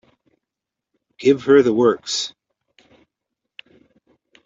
Give her the works.